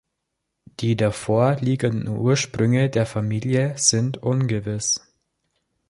Die davor liegenden Ursprünge der Familie sind ungewiss.